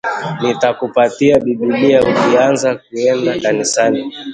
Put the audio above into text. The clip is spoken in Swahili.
Nitakupatia bibilia ukianza kuenda kanisani